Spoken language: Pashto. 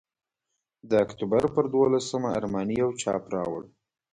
د اکتوبر پر دوولسمه ارماني یو چاپ راوړ.